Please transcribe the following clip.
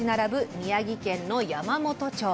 宮城県の山元町。